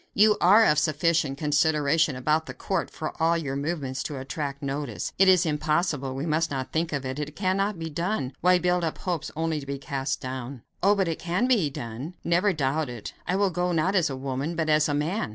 You are of 'sufficient consideration about the court' for all your movements to attract notice. It is impossible; we must not think of it; it cannot be done. Why build up hopes only to be cast down?" "Oh! but it can be done; never doubt it. I will go, not as a woman, but as a man.